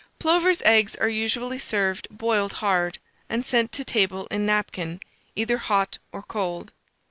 Plovers' eggs are usually served boiled hard, and sent to table in a napkin, either hot or cold.